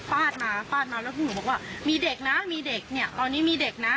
ฟาดมาฟาดมาแล้วพวกหนูบอกว่ามีเด็กนะมีเด็กเนี่ยตอนนี้มีเด็กนะ